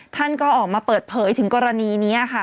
ท่านก็ออกมาเปิดเผยถึงกรณีนี้ค่ะ